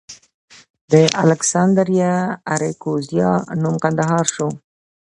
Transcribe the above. د الکسندریه اراکوزیا نوم کندهار شو